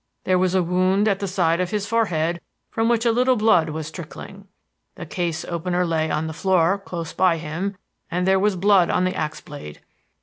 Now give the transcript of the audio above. There was a wound at the side of his forehead from which a little blood was trickling. The case opener lay on the floor close by him and there was blood on the axe blade.